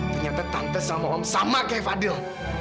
ternyata tante sama om sama kayak fadil